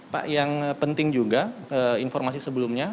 pak yang penting juga informasi sebelumnya